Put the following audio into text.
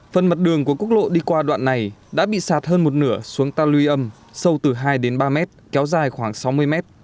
phần mặt đường của quốc lộ đi qua đoạn này đã bị sạt hơn một nửa xuống ta lưu âm sâu từ hai đến ba mét kéo dài khoảng sáu mươi mét